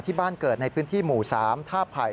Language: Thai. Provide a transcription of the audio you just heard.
ที่บ้านเกิดในพื้นที่หมู่๓ท่าไผ่